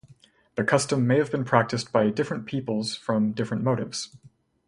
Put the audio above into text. The custom may have been practiced by different peoples from different motives.